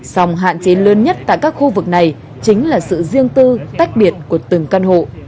sòng hạn chế lớn nhất tại các khu vực này chính là sự riêng tư tách biệt của từng căn hộ